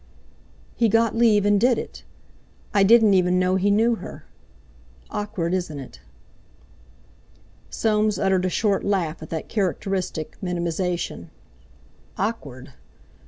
"He got leave and did it. I didn't even know he knew her. Awkward, isn't it?" Soames uttered a short laugh at that characteristic minimisation. "Awkward!